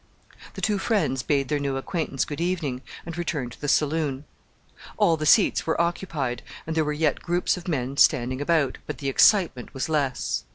The two friends bade their new acquaintance good evening, and returned to the saloon. All the seats were occupied, and there were yet groups of men standing about, but the excitement was less.